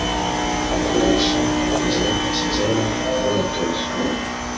gukoresha ku gihe kigenwe imyitozo